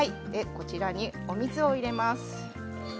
ここにお水を入れます。